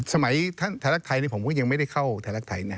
สมัยไทยลักษณ์ไทยผมก็ยังไม่ได้เข้าไทยลักษณ์ไทยนะครับ